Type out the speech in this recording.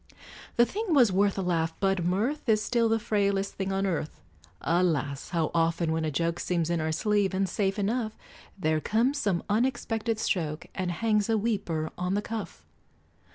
The thing was worth a laugh, but mirth Is still the frailest thing on earth: Alas! how often when a joke Seems in our sleeve, and safe enough, There comes some unexpected stroke And hangs a weeper on the cuff!